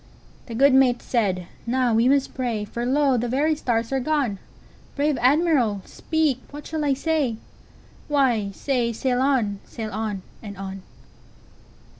The good mate said: "Now must we pray, For lo! the very stars are gone. Brave Admiral, speak, what shall I say?""Why, say, 'Sail on! sail on! and on!